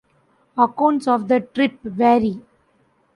Accounts of the trip vary.